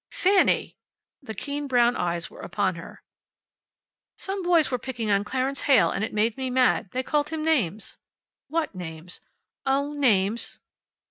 "Fanny!" The keen brown eyes were upon her. "Some boys were picking on Clarence Heyl, and it made me mad. They called him names." "What names?" "Oh, names."